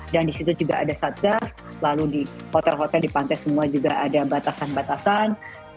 dan di situ juga ada satgas lalu di hotel hotel di pantai semua juga ada batasan batasan